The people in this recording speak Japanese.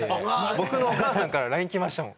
僕のお母さんからＬＩＮＥ来ましたもん。